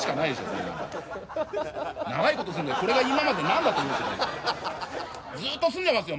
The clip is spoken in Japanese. こんなの長いこと住んでこれが今まで何だと思ってたんですかずっと住んでますよ